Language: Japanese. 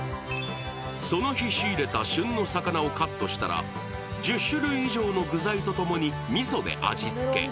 その日仕入れた旬の魚をカットしたら１０種類以上の具材とともにみそで味付け。